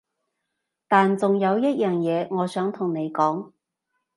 但仲有一樣嘢我想同你講